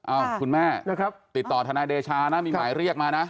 คุณแม่ติดต่อทนายเดชานะมีหมายเรียกมานะ